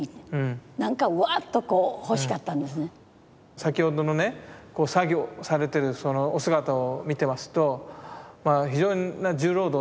先ほどのね作業されてるそのお姿を見てますと非常な重労働だなと。